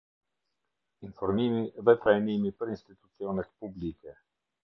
Informimi dhe trajnimi për institucionet publike.